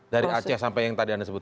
dari aceh sampai yang tadi anda sebut